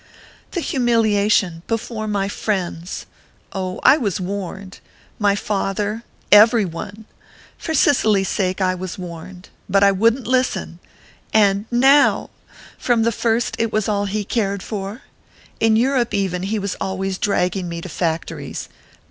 "The humiliation before my friends! Oh, I was warned...my father, every one...for Cicely's sake I was warned...but I wouldn't listen and now! From the first it was all he cared for in Europe, even, he was always dragging me to factories.